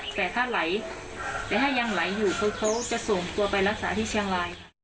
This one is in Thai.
แต่ถ้าไหลแต่ถ้ายังไหลอยู่คือเขาจะส่งตัวไปรักษาที่เชียงราย